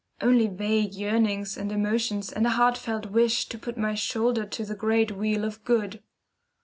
Only vague yearnings and emotions and a heartfelt wish to put my shoulder to the great wheel of good.